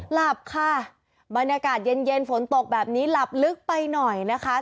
หลับค่ะบรรยากาศเย็นฝนตกแบบนี้หลับลึกไปหน่อยนะคะ